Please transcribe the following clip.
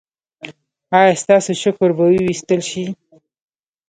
ایا ستاسو شکر به وویستل شي؟